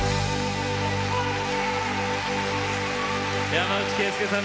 山内惠介さん